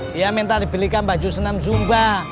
dia minta dibelikan baju senam zumba